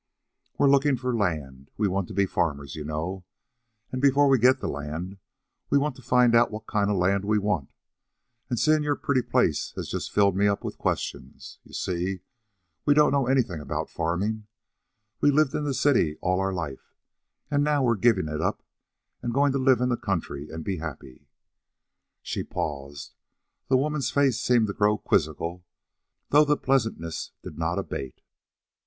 "We're looking for land. We want to be farmers, you know, and before we get the land we want to find out what kind of land we want. And seeing your pretty place has just filled me up with questions. You see, we don't know anything about farming. We've lived in the city all our life, and now we've given it up and are going to live in the country and be happy." She paused. The woman's face seemed to grow quizzical, though the pleasantness did not abate.